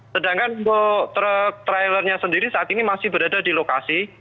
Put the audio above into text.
sedangkan untuk truk trailernya sendiri saat ini masih berada di lokasi